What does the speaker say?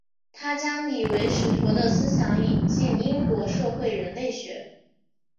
他将李维史陀的思想引进英国社会人类学。